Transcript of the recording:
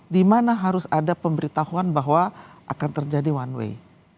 di mana harus ada pemberitahuan bahwa akan terjadi one way